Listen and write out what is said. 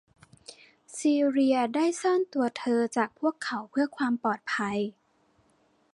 ซีเลียได้ซ่อนตัวเธอจากพวกเขาเพื่อความปลอดภัย